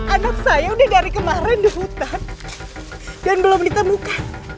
anak saya udah dari kemarin di hutan dan belum ditemukan